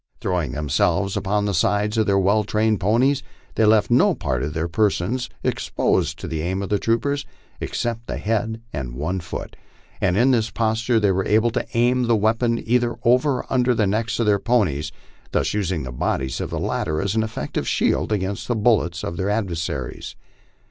Throw ing themselves upon the sides of their well trained ponies, they left no part of their persons exposed to the aim of the troopers except the head and one foot, and in this posture they were able to aim the weapons either over or under the necks of their ponies, thus using the bodies of the latter as an effective shield against the bullets of their adversaries.